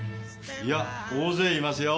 いや大勢いますよ。